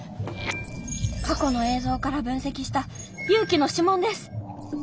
過去の映像から分析した祐樹の指紋です。